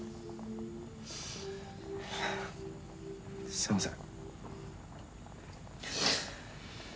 すみません。